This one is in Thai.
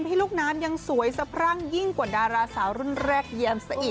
พี่ลูกน้ำยังสวยสะพรั่งยิ่งกว่าดาราสาวรุ่นแรกแยมซะอีก